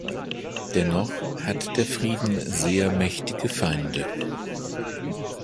Dennoch hat der Frieden sehr mächtige Feinde.